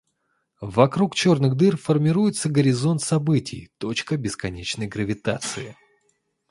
Вокруг черной дыры формируется горизонт событий — точка бесконечной гравитации.